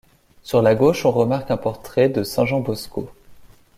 Sur la gauche on remarque un portrait de saint Jean Bosco.